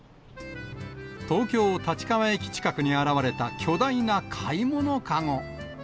東京・立川駅近くに現れた巨大な買い物籠。